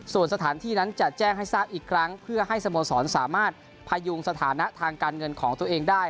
ส่วนสถานที่นั้นจะแจ้งให้ทราบอีกครั้งเพื่อให้สโมสรสามารถพยุงสถานะทางการเงินของตัวเองได้